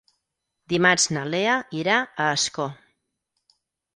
Dimarts na Lea irà a Ascó.